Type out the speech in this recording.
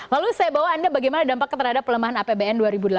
lalu saya bawa anda bagaimana dampaknya terhadap pelemahan apbn dua ribu delapan belas